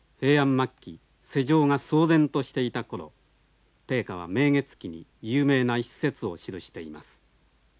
末期世情が騒然としていた頃定家は「明月記」に有名な一節を記しています。